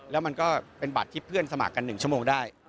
แล้วมันก็เป็นบัตรที่เพื่อนสมัครกัน๑ชั่วโมงได้